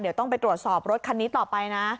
เดี๋ยวต้องไปตรวจสอบรถคันนี้ต่อไปนะ